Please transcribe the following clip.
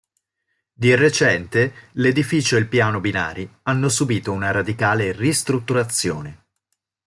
Di recente l'edificio e il piano binari hanno subito una radicale ristrutturazione.